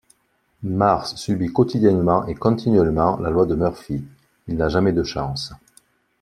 Mars subit quotidiennement et continuellement la loi de Murphy: il n'a jamais de chance.